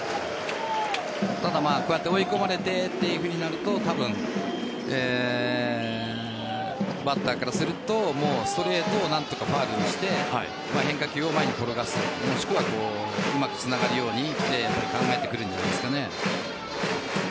ただ、こうやって追い込まれてとなると多分バッターからするとストレートを何とかファウルにして変化球を前に転がすもしくはうまくつながるように考えてくるんじゃないですかね。